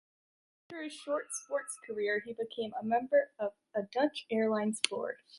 After his short sports career, he became a member of a Dutch airline’s board.